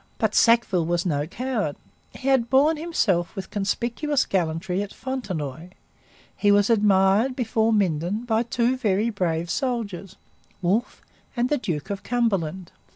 But Sackville was no coward. He had borne himself with conspicuous gallantry at Fontenoy. He was admired, before Minden, by two very brave soldiers, Wolfe and the Duke of Cumberland.